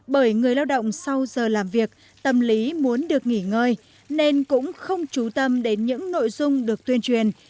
bởi người lao động sau giờ làm việc tâm lý muốn được nghỉ ngơi nên cũng không trú tâm đến những nội dung được tuyên truyền